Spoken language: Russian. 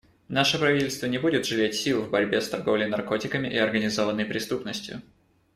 Наше правительство не будет жалеть сил в борьбе с торговлей наркотиками и организованной преступностью.